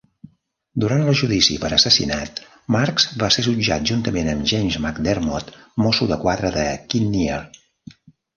Durant el judici per assassinat, Marks va ser jutjat juntament amb James McDermott, mosso de quadra de Kinnear.